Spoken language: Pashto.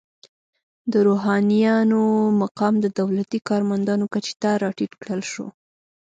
د روحانینو مقام د دولتي کارمندانو کچې ته راټیټ کړل شو.